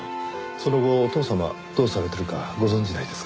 その後お父様どうされてるかご存じないですか？